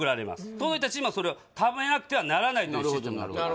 届いたチームはそれを食べなくてはならないというシステムになってます